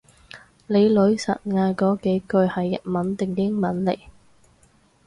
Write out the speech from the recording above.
你女神嗌嗰幾句係日文定英文嚟？